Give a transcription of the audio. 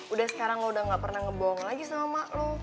udah sekarang lo udah gak pernah ngebohong lagi sama emak lo